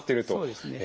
そうですね。